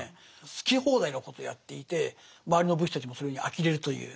好き放題なことをやっていて周りの武士たちもそれにあきれるという。